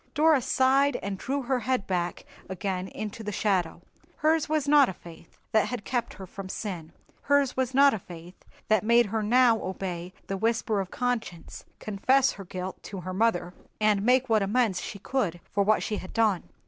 Dora sighed and drew her head back again into the shadow. Hers was not a faith that had kept her from sin—hers was not a faith that made her now obey the whisper of conscience, confess her fault to her mother, and make what amends she could for what she had done.